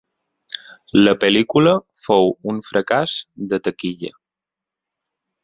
La pel·lícula fou un fracàs de taquilla.